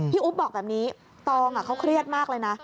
อุ๊บบอกแบบนี้ตองเขาเครียดมากเลยนะ